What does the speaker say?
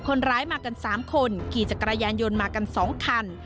คนร้ายมากัน๓คนขี่จักรยานยนต์มากัน๒คัน